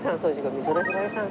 美空ひばりさん